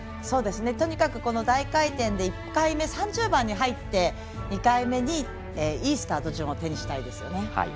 そうですね、とにかく大回転で１回目、３０番に入って２回目のいいスタート順を手にしたいですよね。